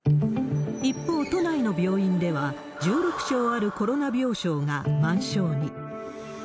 一方、都内の病院では、１６床あるコロナ病床が満床に。